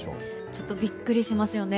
ちょっとビックリしますよね。